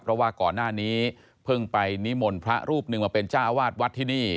เพราะว่าก่อนหน้านี้เพิ่งไปนิมนต์พระรูปหนึ่งมาเป็นเจ้าอาวาสวัดที่นี่